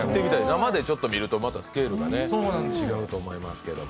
生で見るとまた、スケールが違うと思いますけど。